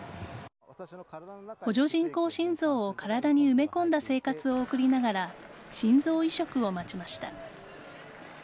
補助人工心臓を体に埋め込んだ生活を送りながら心臓移植を待ちました。